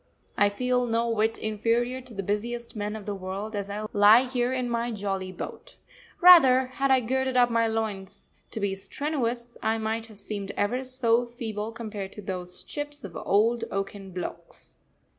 I feel no whit inferior to the busiest men of the world as I lie here in my jolly boat. Rather, had I girded up my loins to be strenuous, I might have seemed ever so feeble compared to those chips of old oaken blocks.